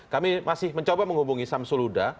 kami masih mencoba menghubungi sam suluda